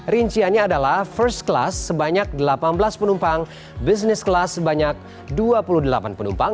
rinciannya adalah first class sebanyak delapan belas penumpang business class sebanyak dua puluh delapan penumpang